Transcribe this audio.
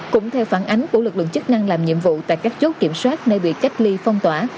cũng theo phản ánh của lực lượng chức năng làm nhiệm vụ tại các chốt kiểm soát nơi bị cách ly phong tỏa